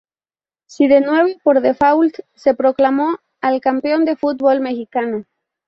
Sí, de nuevo por default se proclamó al campeón del fútbol mexicano.